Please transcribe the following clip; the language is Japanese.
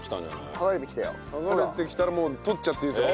剥がれてきたらもう取っちゃっていいです。